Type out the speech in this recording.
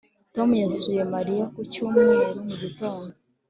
Tom yasuye Mariya ku cyumweru mu gitondo